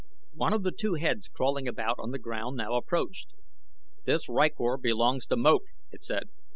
One of the two heads crawling about on the ground now approached. "This rykor belongs to Moak," it said.